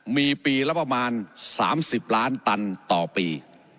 มีปีละประมาณ๓๐ล้านตันต่อปี